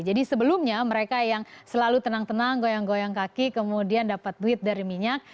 jadi sebelumnya mereka yang selalu tenang tenang goyang goyang kaki kemudian dapat duit dari minyak